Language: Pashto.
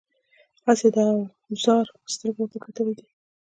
هسې د اوزار په سترګه ورته کتلي دي.